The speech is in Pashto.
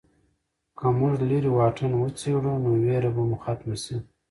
که موږ لیرې واټن وڅېړو نو ویره به مو ختمه شي.